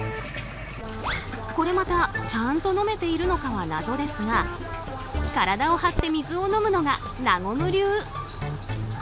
これまた、ちゃんと飲めているのかは謎ですが体を張って水を飲むのがなごむ流。